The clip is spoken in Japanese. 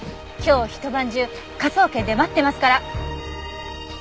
今日ひと晩中科捜研で待ってますから。